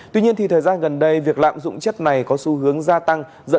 tuy nhiên thời gian gần đây việc lạm dụng chất này có xu hướng gia tăng